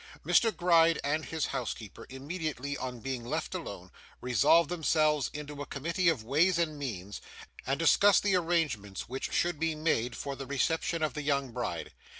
Mr. Gride and his housekeeper, immediately on being left alone, resolved themselves into a committee of ways and means, and discussed the arrangements which should be made for the reception of the young bride.